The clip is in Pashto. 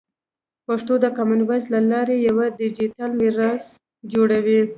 پښتو د کامن وایس له لارې یوه ډیجیټل میراث جوړوي.